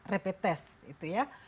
rapid test gitu ya